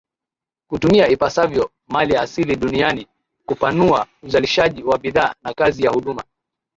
kutumia ipasavyo maliasili duniani kupanua uzalishaji wa bidhaa na kazi ya huduma